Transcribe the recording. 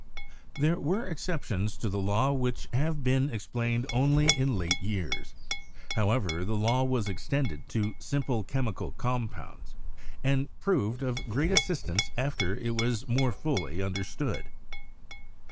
There were exceptions to the law which have been ex plained only in late years. However, the law was ex tended to simple chemical compounds, and proved of great assistance after it was more fully understood.